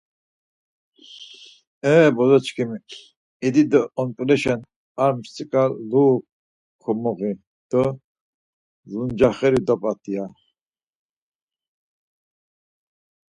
E bozo çkimi idi do ont̆uleşen ar mtsika lu komoiği do luncaxeri dop̌at ya.